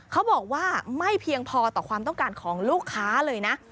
เขาบอกว่าไม่เพียงพอต่อความต้องการของลูกค้าเลยนะ